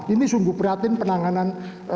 ini sungguh prihatin penanganan